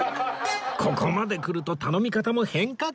ここまでくると頼み方も変化球に